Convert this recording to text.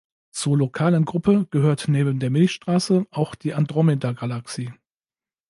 Zur lokalen Gruppe gehört neben der Milchstraße auch die Andromedagalaxie.